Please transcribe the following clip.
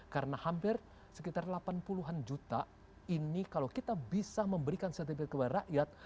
karena hampir sekitar delapan puluh an juta ini kalau kita bisa memberikan sertifikat kepada rakyat